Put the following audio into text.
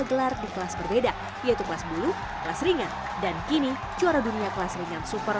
gelar di kelas berbeda yaitu kelas bulu kelas ringan dan kini juara dunia kelas ringan super